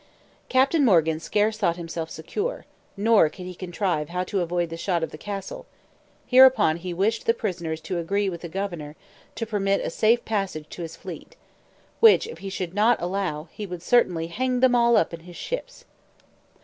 Captain Morgan scarce thought himself secure, nor could he contrive how to avoid the shot of the castle: hereupon he wished the prisoners to agree with the governor to permit a safe passage to his fleet, which, if he should not allow, he would certainly hang them all up in his ships.